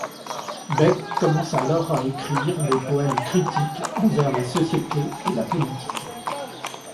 Beck commence alors à écrire des poèmes critiques envers la société et la politique.